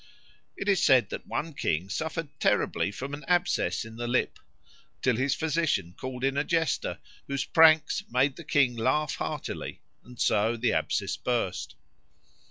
It is said that one king suffered terribly from an abscess in the lip, till his physician called in a jester, whose pranks made the king laugh heartily, and so the abscess burst.